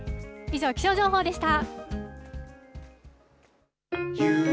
以上、気象情報でした。